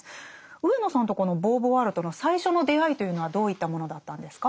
上野さんとこのボーヴォワールとの最初の出会いというのはどういったものだったんですか？